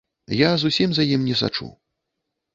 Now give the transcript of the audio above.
Я зусім за ім не сачу.